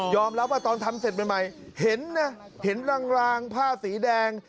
รับว่าตอนทำเสร็จใหม่เห็นนะเห็นรางผ้าสีแดง